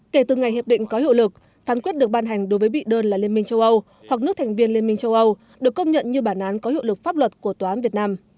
kể từ ngày hiệp định có hiệu lực phán quyết được ban hành đối với bị đơn là liên minh châu âu hoặc nước thành viên liên minh châu âu được công nhận như bản án có hiệu lực pháp luật của tòa án việt nam